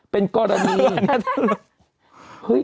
เป็นกรณีน่าถึงอื้อว